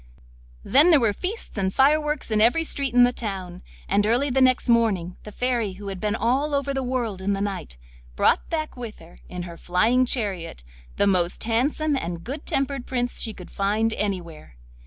Then there were feasts and fireworks in every street in the town, and early the next morning the Fairy, who had been all over the world in the night, brought back with her, in her flying chariot, the most handsome and good tempered Prince she could find anywhere.